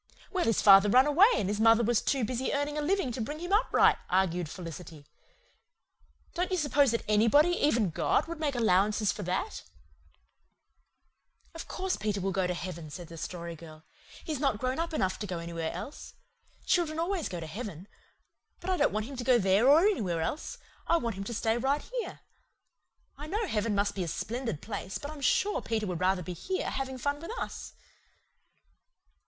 "Well, his father run away, and his mother was too busy earning a living to bring him up right," argued Felicity. "Don't you suppose that anybody, even God, would make allowances for that?" "Of course Peter will go to heaven," said the Story Girl. "He's not grown up enough to go anywhere else. Children always go to heaven. But I don't want him to go there or anywhere else. I want him to stay right here. I know heaven must be a splendid place, but I'm sure Peter would rather be here, having fun with us."